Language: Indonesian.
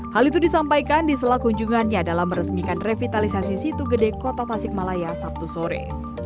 hal itu disampaikan di sela kunjungannya dalam meresmikan revitalisasi situ gede kota tasikmalaya sabtu sore